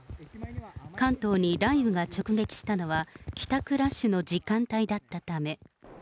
関東に雷雨が直撃したのは帰宅ラッシュの時間帯だったため。